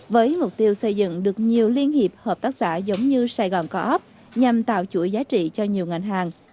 với mục tiêu xây dựng được nhiều liên hiệp hợp tác xã giống như sài gòn co op nhằm tạo chuỗi giá trị cho nhiều ngành hàng